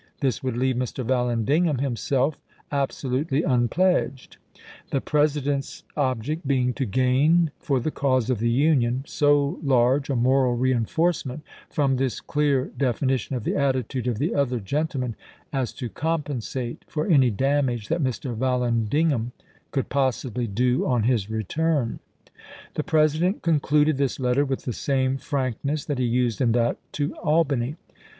This would leave Mr. Vallandigham himself absolutely unpledged ; the President's ob ject being to gain for the cause of the Union so large a moral reenforcement from this clear defini tion of the attitude of the other gentlemen as to compensate for any damage that Mr. Vallandigham could possibly do on his return. The President concluded this letter with the same frankness that he used in that to Albany.